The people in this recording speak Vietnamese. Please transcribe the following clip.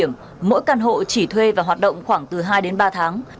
mỗi căn hộ chỉ thuê và hoạt động khoảng từ hai đến ba tháng